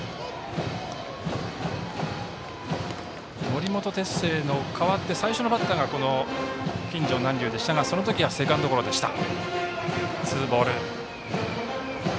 森本哲星に代わって最初のバッターがこの金城南隆でしたがその時はセカンドゴロでした。